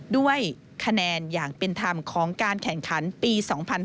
ด้วยคะแนนอย่างเป็นธรรมของการแข่งขันปี๒๕๕๙